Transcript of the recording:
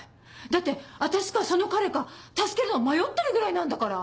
だって私かその彼か助けるの迷ってるぐらいなんだから。